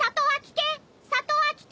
里ハ危険。